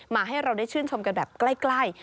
ให้เราได้ชื่นชมกันแบบใกล้